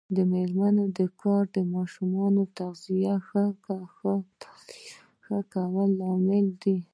د میرمنو کار د ماشومانو تغذیه ښه کولو لامل دی.